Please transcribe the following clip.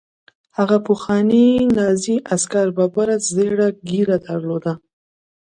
هغه پخواني نازي عسکر ببره زیړه ږیره درلوده